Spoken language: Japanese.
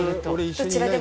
どちらでも。